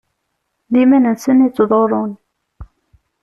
D iman-nsen i ttḍurrun.